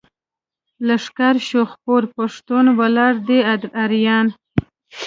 لښکر شو خپور پښتون ولاړ دی اریان.